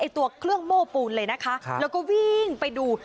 ตัวเครื่องโม้ปูนเลยนะคะแล้วก็วิ่งไปดู